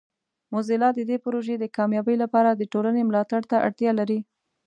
موزیلا د دې پروژې د کامیابۍ لپاره د ټولنې ملاتړ ته اړتیا لري.